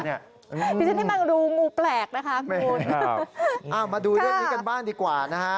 เนี่ยพี่ฉันนี่มันดูงูแปลกนะคะไม่ครับอ่ามาดูเรื่องนี้กันบ้างดีกว่านะฮะ